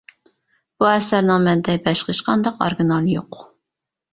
بۇ ئەسەرنىڭ مەندە باشقا ھېچقانداق ئارگىنالى يوق.